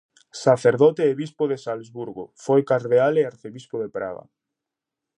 Sacerdote e bispo de Salzburgo, foi cardeal e arcebispo de Praga.